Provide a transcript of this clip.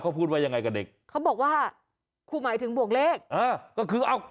ครูเขาสอนบวกเลขบวกลบคูณหาร